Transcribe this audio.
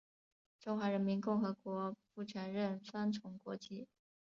中华人民共和国不承认双重国籍。